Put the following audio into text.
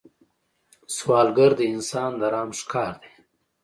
سوالګر د انسان د رحم ښکار دی